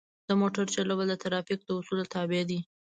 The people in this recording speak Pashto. د موټر چلول د ترافیک د اصولو تابع دي.